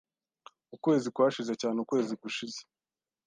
Ukwezi kwashize cyane ukwezi gushize.